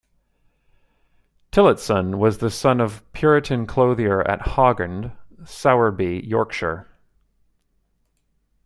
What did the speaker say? Tillotson was the son of a Puritan clothier at Haughend, Sowerby, Yorkshire.